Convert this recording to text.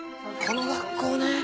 この学校ね。